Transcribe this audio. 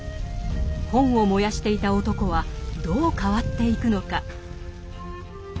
本を燃やしていた男はどう変わっていくのか。